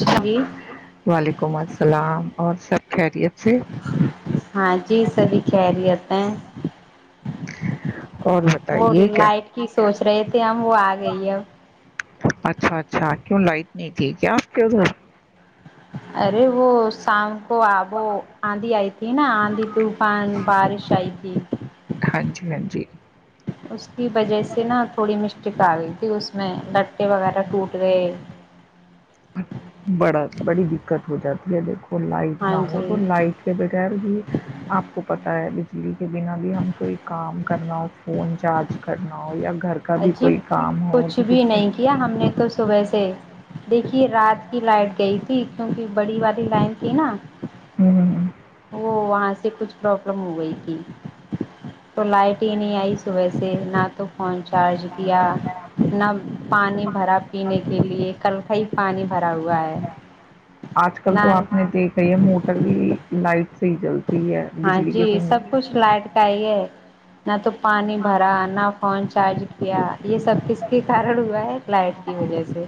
جی وعلیکم السلام اور سب خیریت سے پین اور وہ بتائیے کیا لائٹ کی سوچ رہے تھے ہم وہ آ گئی اب اچھا اچھا کیوں لائٹ نہیں تھی کیا آپ کے ادھر ارے وہ سام وہ وہ آندھی آئی تھی نا آندھی طوفان بارش آئی تھی ہاں جی ہاں جی اس کی وجہ سے نا تھوڑی م چکا گئی تھی اس میں لٹے وغیرہ ٹوٹ گئے بڑا بڑی دقت ہو جاتی ہے دیکھو لائٹ نہ ہاں ہو جی تو لائٹ کے بغیر بھی آپ کو پتا ہے جی کے بنا بھی ہم کوئی کام کرنا ہو فون چارج کرنا ہو یا گھر کا بھی اجی کوئی کام ہو کچھ تو بھی کتنے نہیں کیا ہم نے تو صبح سے دیکھیے یہ رات کی لائٹ گئی تھی کیوںکہ بڑی والی لائن تھی نا ہوں وہ وہاں سے کچھ پرابلم ہو گئی تھی تو لائٹ ہی نہیں آئی صبح سے نہ تو فوننچ چارج کیا نہ پانی بھرا پینے کے لیے کل کا ہی پانی بھرا ہوا ہے آج کل نہ تو آپ نے دیکھا ہی ہے موٹر بھی لائٹ سیزنس ہاں جی سب کچھ لائٹ کا ہی ہے نہ تو پانی بھرا نہ فون چارج کیا یہ سب کز کے کارن ہوا ہے لائٹ کی وجہ سے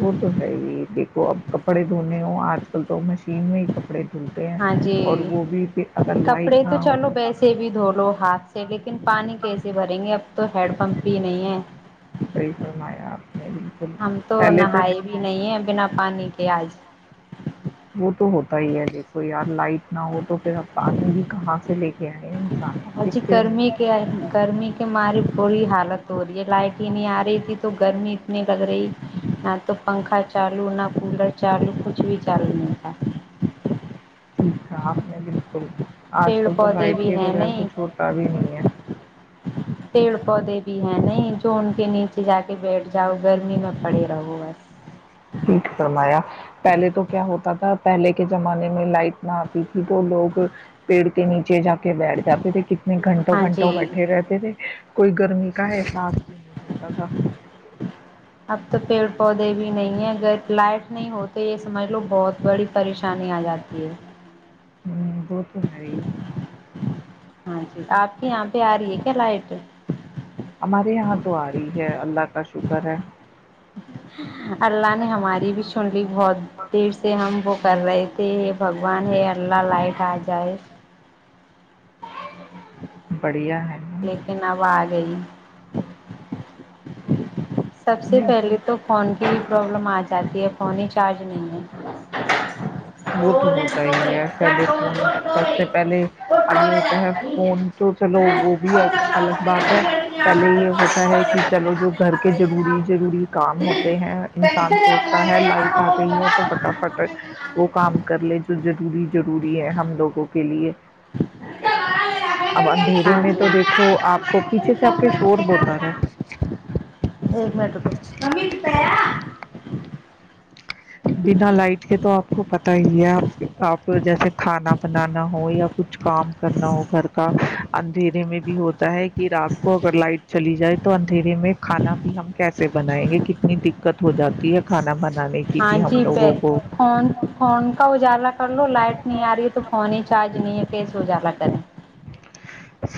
وہ تو ہے ہی اب کپڑے دھونے ہ آج کل تو مشین میں ہی ک ہاں جی اگر کپڑے لائٹ نہ تو ہو چلو ویسے بھی دھو لو ہاتھ سے لیکن پانی کیسے بھریں گے اب تو ہیڈ پمپ بھی نہیں صحیح ہے فرمایا آپ نے بالکل ہم تو پہلے نہائے بھی نہیں ہے بنا پانی کے آج وہ تو ہوتا ہی ہے دیکھو یار لائٹ نہ ہو تو پھر آپ پانی بھی کہاں سے لے کے آئے اور جی کس گرمی لیے؟ کے گرمی کے ماری تھوڑی حالت ہو رہی ہے لائٹ ہی نہیں آ رہی تھی تو گرمی اتنی لگ رہی نہ تو پنکھا چالو نہ کولر چالو کچھ بھی چالو نہیں تھا ٹھیک ہے میں بالکل آج پیڑ کل تو پودے لائٹ بھی کے ہیں بغیر نہیں کچھ ہوتا بھی نہیں ہے پیڑ پودے بھی ہیں نہیں جو ان کے نیچے جا کے بیٹھ جاؤ گرمی میں پڑے رہو بس ٹھیک سرمایا پہلے تو کیا ہوتا تھا پہلے کے زمانے میں لائٹ نہ آتی تھی تو لوگ پیڑ کے نیچے جاتے بیٹھ جاتے تھے کتنے گھنٹوں ہاں گھنٹوں جی بیٹھے رہتے تھے کوئی گرمی کا احساس بھی نہیں ہوتا تھا اب تو پیڑ پودے بھی نہیں ہیں اگر لائٹ نہیں ہو تو یہ سمجھ لو بہت بڑی پریشانی آ جاتی ہے ہوں وہ تو ہے ہی ہاں آپ کے یہاں پہ آ رہی ہے کیا لائٹ بی ہمارے یہاں تو آ رہی ہے اللہ کا شکر ہے ہاں اللہ نے ہماری بھی سن لی بہت دیر سے ہم وہ کر رہے تھے بگوان ہی ارلہ لائٹ آ جائے بڑھیا ہے نا لیکن اب آ گئی سب سے پہلے تو فون کی بھی پرابلم آ جاتی ہے فون ہی چارج نہیں ہے وہ تو ہوتا ہی ہے سیلی فون سب سے پہلے اب یہ ہوتا ہے فون تو چلو وہ بھی ایک الگ بات ہے پہلے یہ ہوتا ہے کہ چلو جو گھر کے جو روری ضروری کام ہوتے ہیں انسان سوچتا ہے لائٹ آ گئی ہے تو فٹافٹ کام ہے کر لے جو ضروری ضروری ہے ہم لوگوں کے لیے ہاں اب جی اندھیرے میں تو دیکھو آپ کو پیچھے سے آپ کے شور بتا رہا ہے ایک منٹ رکو بنا لائٹ کے تو آپ کو پتا ہی ہےپ آپ جیسے کھانا بنانا ہو یا کچھ کام کرنا ہو گھر کا اندھیرے میں بھی ہوتا ہے کہ رات کو اگر لائٹ چلی جائے تو اندھیرے میں کھانا بھی ہم کیسے بنائیں گے کتنی دقت ہو جاتی ہے کھانا بنانےا ہاں جی پ فون فون کا اجالا کر لو لائٹ نہیں آ رہی ہے تو فون ہی چارج یہ کیس سجالا کریں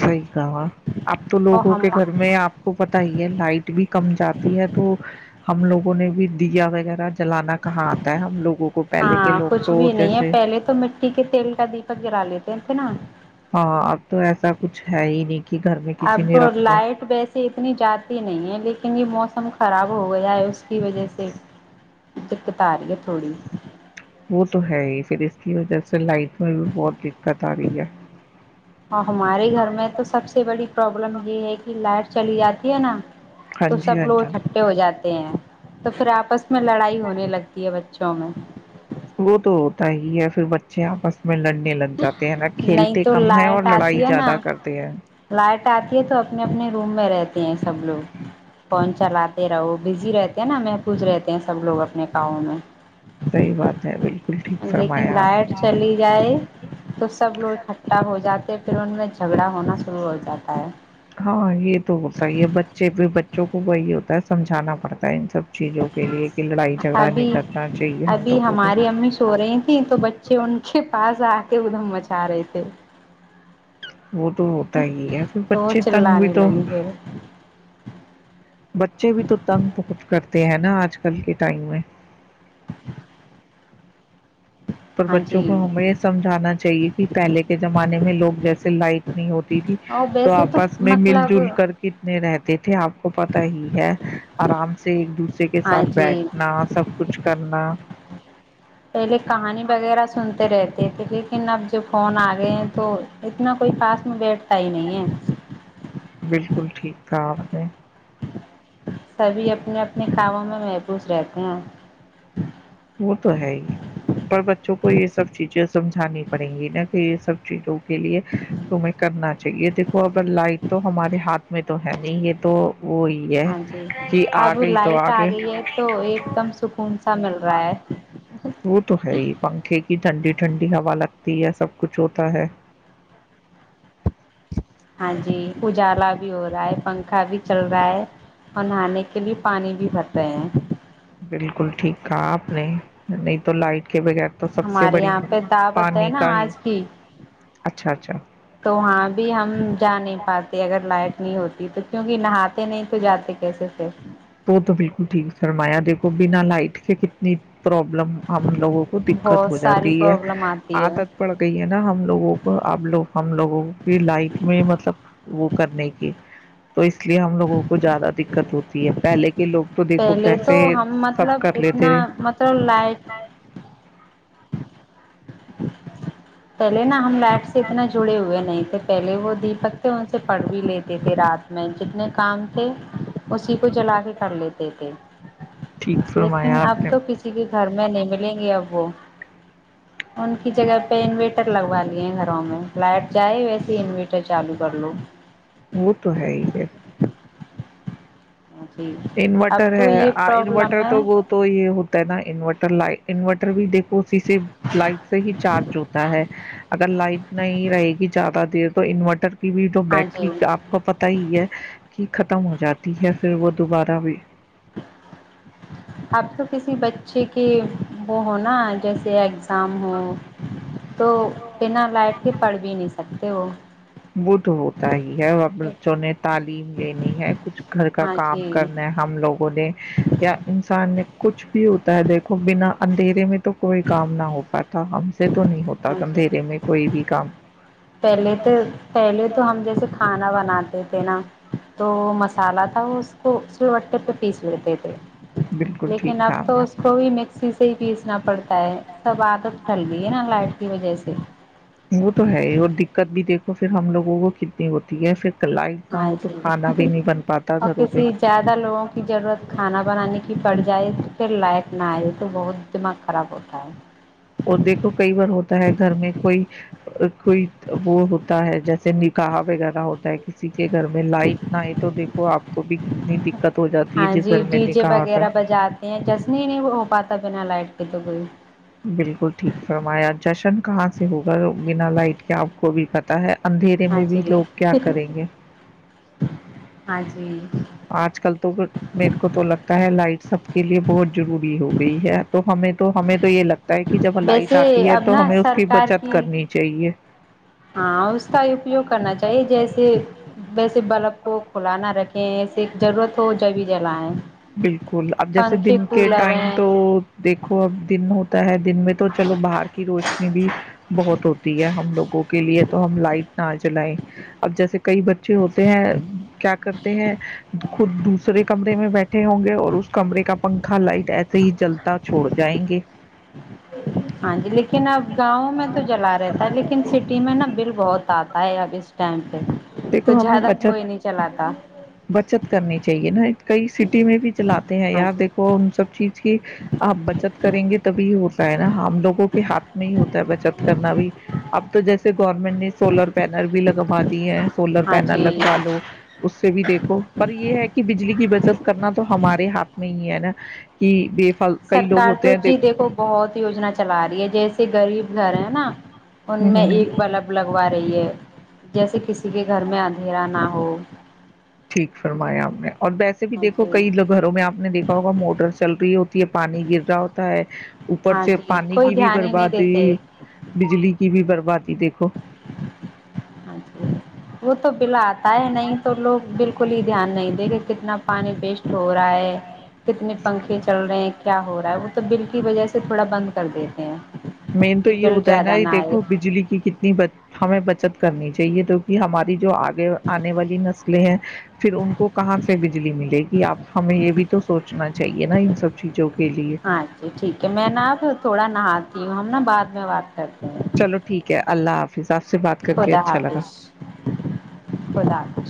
صحی کہا اب تو او لوگوں کے ہما گھر میں آپ کو پتا ہی ہے لائٹ بھی کم جاتی ہے تو ہم لوگوں نے بھی دیا وغیرہ جلانا کہاں آتا ہے ہم لوگوں کو پہلے کے ہاں لوگ کچھ تو بھی نہیں ہے جیسے پہلے تو مٹی کے تیل کا دیپک گرا لیتے [inaudible] ہاں اب تو ایسا کچھ ہے ہی نہیں کہ گھر میں کسی اب نے رکھا لائٹ ویس اتنی جاتی نہیں ہے لیکن لیکن یہ موسم خراب ہو گیا ہے اس کی وجہ سے دقت آ رہی ہے تھوڑی وہ تو ہے ہی پھر اس کی وجہ سے لائٹ میں بھی بہت دقت آ رہی ہے اور ہمارے گھر میں تو سب سے بڑی پروابلم یہ ہے کہ لائٹ چلی جاتی ہے نا ہاں تو جی سب ہاں لوگ جی اٹھے ہو جاتے تو پھر آپس میں لڑائی ہونے لگتی ہے بچوں میں وہ تو ہوتا ہی ہے پھر بچے آپس میں لڑنے لگ جاتے ہیں نا نہیں کھیلتے تو کم ہے اور لائٹ لڑائی آتی ہے نا زیادہ کرتے ہیں لائٹ آتی ہے تو اپنے اپنے روم میں رہتے سب لوگ فون چلاتے رہو بزی رہتے ہیں نا محفوظ رہتے ہیں سب لوگ اپنے کااؤں میں صحی بات ہے بالکل ٹھیک لیکن فرمایا آپ لائٹ چلی جائے نے تو سب لوگ اکٹھا ہو جاتے پھر ان میں جھگڑا ہونا شروع ہو جاتا ہے ہاں یہ تو ہوتا ہی ہے بچے بھی بچوں کو وہی ہوتا ہے سمجھانا پڑتا ہے ان سب چیزوں کے لیے کہ لڑائی جھگڑا نہیں ابھی کرنا چاہیے ہم ابھی لوگوں کو ہماری امی سو رہی تھیں تو بچے ان کے پاس آ کے ادھم مچھا رہے تھے [inaudible] وہ تو ہوتا ہی ہے پھر تو وہ بچے تنگ بھی چلانے تو لگی پھر بچے بھی تو تنگ بہت کرتے ہیں نا آج کل کے ٹائم میں پر ہاں بچوں جی کو ہمیں یہ سمجھانا چاہیے کہ پہلے کے زمانے میں لوگ جیسے لائٹ نہیں ہوتی تھی اور تو ویسے آپس میں مل مطلب جل کر کتنے رہتے تھے آپ کو پتا ہی ہے آرام سے ایک دوسرے کے ہاں ساتھ جی بیٹھنا سب کچھ کرنا [inaudible] کہانی وغیرہ سن رہتے تھے لیکن اب جو فون آ [unintelligible] ہیں تو اتنا [unintelligible] کوئی پاس میں بیٹھتا ہی نہیں ہے [unintelligible] بالکل ٹھیک تھا آپ نے [unintelligible] سبھی اپنے اپنے کاموں میں محفوظ رہتے ہیں [unintelligible] وہ تو ہے ہی پر بچوں کو یہ سب چیزیں سمجھانی پڑیں گی نا کہ یہ سب چیزوں کے لیے تمہیں کرنا چاہیے دیکو اگر لائٹ تو ہمارے ہاتھ میں تو ہے نہیں یہ تو [unintelligible] ہے ہاں جی کہ آ اب گئی تو لائٹ آ گئی ہے تو ایک دم سکون سا مل [unintelligible] و [inaudible] وہ تو ہے ہی پنکھے کی ٹھنڈی ٹھنڈی ہوا لگتی [unintelligible] یہ سب کچھ ہوتا ہے [unintelligible] ہاں جی اجالا بھی ہو رہا ہے پنکھا بھی چل رہا ہے اور نہانے کے لیے پانی بھی بھرتے ہیں [unintelligible] بالکل ٹھیک کہا آپ نے نہیں تو لائٹ [inaudible] تو سب سے ہمارے بڑی یہاں پہ دعوت ہے پانی نا کا ہی آج بھی اچھا اچھا تو وہاں [unintelligible] اب ہم [unintelligible] جا نہیں پاتے اگر لائٹ نہیں ہوتی تو کیونک نہاتے نہیں تو جاتے کیسے سے وہ تو بالکل ٹھیک سرمایا دیکھو بنا لائٹ کے کتنی پرابلم ہم لوگوں کو دقت بہت ہو ساری جاتی ہے پرابلم آتی ہے عادت پڑ گئی ہے نا ہم لوگوں کو اب لوگ ہم لوگوں کی لائٹ میں مطلب وہ کرنے کی تو اس لیے ہم لووں کو زیادہ دقت ہوتی ہے پہلے کے لوگ تو دیکھو پہلے تو کیسے ہم سب مطلب کر لیتے اتنا تھے مطلب لائٹ پہلے نا ہم لب سے اتنا جڑے ہوئے نہیں تھے پہلے وہ دیپک تھے ان سے پڑھ بھی لیتے تھے رات میں جتنے کام تھے اسی کو جلا کے کر لیتے تھے ٹھیک لیکن فرمایا اب آپ نے تو کسی کے گھر میں نہیں مل لیں گے اب وہ ان کی جگہ پہ پہ انویٹر لگوا لیے ہیں گھروں میں لائٹ جائے ویسے ہی انویٹر چالو کر لو وہ تو ہے ہی پھر جی اب انورٹر تو ہے یہ پرابلم انورٹر ہے تو وہ تو یہ ہوتا ہے نا انورٹر لائ انورٹر بھی دیکھ اسی سے لائٹ سے ہی چارج ہوتا ہے اگر لائٹ نہیں رہے گی زیادہ دیر تو انورٹر ویڈو ہاں بیٹری جی کا آپ کو پتا ہی ہے کہ ک خم ہو جاتی ہے پھر وہ دوبارہ بھی اب تو کسی بچے کے وہ ہوناا جیسےگ کاام ہو تو بنا لائٹ کے پڑ بھی نہیں سکتے تو وہ وہ تو ہوتا ہی ہے اور بچوں نے تال بیم لینی ہے کچھ گھر کا ہاں کام جی کرنا ہے ہم لوگوں نے یا انسان نے کچھ بھی ہوتا ہے دیکھو بنا اندھیرے میں تو کوئی کام نہ ہو پات تھا ہم سے تو نہیں ہوتا ہاں جی اندھیرے میں کوئی بھی کام پہلے تو پہلے تو ہم جیسے کھانا بناتے تھے تو مسالا تھا اس کو وٹے پہ پیس لیتے تھے بالکل لیکن ٹھیک کہا اب آپ تو نے اس کو بھی مکسیز ہی پیسنا پڑتا ہے تب عادت ٹل گئی ہے نا لائٹ کی وجہ سے وہ تو ہے اور د کد بھی دیکھو پھر ہم لگوں کو کتنی ہوتی ہے پھر لائٹ نہ ہاں ہو تو کھانا بھی جی نہیں بن پاتا اور گھروں پہ کسی زیادہ لوگوں کی ضرورت کھانا بنانے کی کی پڑ جائے تو پھر لائق نہ آئے تو بہت دماغ خراب ہوتا ہے اور دیکھو کئی بار ہوتا ہے گھر میں کوئی کوئی وہ ہوتا ہے جیسے نکاح وغیرہ ہوتا ہے کسی کے گھر میں لائٹ نہ آئے تو دیکھو آپ کو بھی کتنی دقت ہو جاتی ہے ہاں جس جی گھر میں ڈی نے جے کہا تھا وغیرہ بجاتے ایکت کوئی فرمایا جشن کہاں سے ہوگا بنا لائٹ کے آپ کو بھی پتاہ ہے اندھیرے ہاں میں بھی جی لوگ کیا کریں گے ہاں جی آج کل تو میرے کو تو لگتا ہے لائٹ سب کے لیے بہت ضروری ہو گئی ہے تو ہمیں تو ہمیں تو یہ لگتا ہے کہ جب لائٹ ویسے آتی ہے اب تو نا ہمیں اس سرکار بچت کی کرنی چاہیے ہاں اس کا اپیوگ کرنا چاہیے جیسے ویسے بلب کو کھلانا رکھے کہ ایسے ایک ضرورت ہو جبھی جلائیں بالکل اب جیسے پنکھے دن کے کولر ٹائم ہیں تو دیکھو اب دن ہو [unintelligible] دن میں تو چلو باہر کی روشنی بھی بہت ہوتی ہے ہم لوگوں کے لیے تو ہم لائٹ نہ جلائ اب جیسے کئی بچے ہوتے ہیں کیا کرتے ہیں خود دوسرے کمر میں بیٹھے اھے ہوں گے اور اس کمرے کا پنکھا لائٹ ایسے ہی جلتا چھوڑ جائیں گے ہاں جی ل لیکن اب گاؤں میں تو جلا رہتا ہے لیکن سٹی میں نا بل بہت آتا آ آبس ٹائم پہ تو دیکھو ہمیں زیادہ بچت کوئی نہیں چلاتا بچت کرنی چاہیے نا کئی سٹی میں بھی چلاتے ہیں ہاں یار جی دیکھو ان سب چیز کی آپ بچت کریں گے تبھی ہو [unintelligible] نا ہم لوگوں کے ہاتھ میں ہی ہوتا ہے بچت کرنا بھی اب تو جیسے [unintelligible] پھر گورنمنٹ نے سولر پینل بھی لگوا دی ہیں [unintelligible] س ہاں پینل جی لگوا لو اس سے بھی دیکھو پر یہ ہے کہ بجلی کی بچت کرنا تو ہمارے ہاتھ میں [unintelligible] میں یہ ہے نا کہ ب [unintelligible] سرکار تو چیز دیکھو بہت یوجنا چلا رہی ہے جیسے غریب گھر ہیں ن [unintelligible] ان ہوں میں ہوں ہوں ایک بلب لگوا رہی ہے جیسے کسی کے گھر میں اندھیرا نہ ہو ٹھیک فرمایا ہم نے اور ویسے بھی ہاں دیکھو جی کئی گھروں میں آپ نے دیکا ہوگا موٹر چل رہی ہے [unintelligible] پانی گر رہا ہوتا ہے [unintelligible] اوپر ہاں سے جی پانی کوئی کی بھی دھیان ہی نہیں برباد دیتے ہو بجلی کی بھی برباد [unintelligible] باقی دیکھو [unintelligible] اں ج وہ تو بلا آتا ہے نہیں تو لوگ بالکل [unintelligible] کل ہی دھیان نہیں دے گے کتنا پانی پیسٹ [unintelligible] ہو رہا ہے کتنے پنکھے چل رہے ہیں کیا ہو رہا [unintelligible] وہ تو بل کی وجہ سے تھوڑا بند کر دیتے ہیں [unintelligible] مین تو کہ یہ بل ہوتا ہے نا زیادہ یہ نہ آئے دیکھو بجلی کی کتنی ہمیں بچت کرنی ت [unintelligible] چاہیے توک کہ ہماری جو آگ [unintelligible] آنے والی نسلیں ہیں پھر ان کو کہاں سے بجلی ملے گی آپ ہمیں یہ بھی تو سوچنا [unintelligible] چاہیے نا ان سب چیزوں کو [unintelligible] ہاں جی ٹھیک ہے میں نا پھر تھوڑا نہا [unintelligible] ہوں ہم نا بعد میں بات کرتے ہیں [unintelligible] خلاف [inaudible] خدا حافظ خدا حافظ [unintelligible]